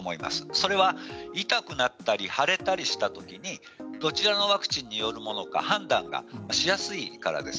それが痛くなったり腫れたりした時にどちらのワクチンによるものか判断がしやすいからです。